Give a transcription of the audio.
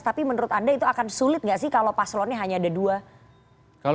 tapi menurut anda itu akan sulit nggak sih kalau paslonnya hanya ada dua calon